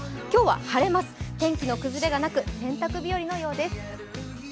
今日は晴れます、天気の崩れがなく洗濯日和のようです。